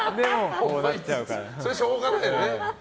それはしょうがないよね。